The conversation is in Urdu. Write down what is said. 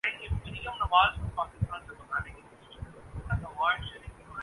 اگر نہیں تو آج کا سائنسی لفظ